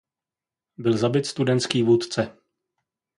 Byl zabit studentský vůdce.